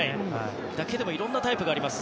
それだけでもいろんなタイプがあります。